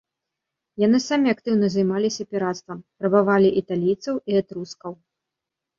Яны самі актыўна займаліся пірацтвам, рабавалі італійцаў і этрускаў.